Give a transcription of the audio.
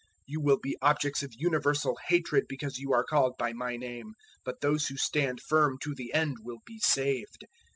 013:013 You will be objects of universal hatred because you are called by my name, but those who stand firm to the End will be saved.